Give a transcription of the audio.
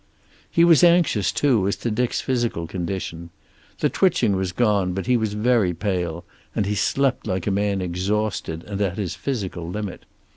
He was anxious, too, as to Dick's physical condition. The twitching was gone, but he was very pale and he slept like a man exhausted and at his physical limit.